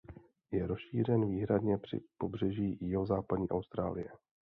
Je rozšířen výhradně při pobřeží jihozápadní Austrálie.